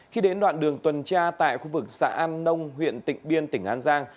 khi đến đoạn đường tuần tra tại khu vực xã an nông huyện tỉnh biên tỉnh an giang